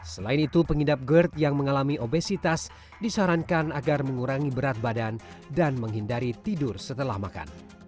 selain itu pengidap gerd yang mengalami obesitas disarankan agar mengurangi berat badan dan menghindari tidur setelah makan